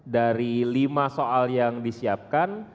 dari lima soal yang disiapkan